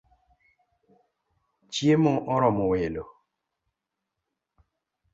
Chiemo oromo welo